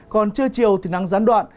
còn trưa chiều thì nắng gián đoạn